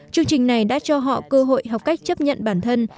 chương trình này đã cho họ cơ hội học cách chấp nhận bản thân